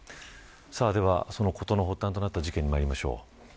事の発端となった事件にまいりましょう。